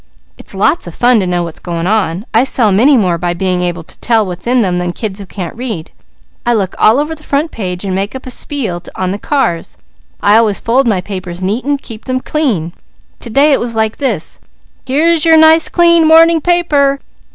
It's lots of fun to know what's going on. I sell many more by being able to tell what's in them than kids who can't read. I look all over the front page and make up a spiel on the cars. I always fold my papers neat and keep them clean. To day it was like this: 'Here's your nice, clean, morning paper!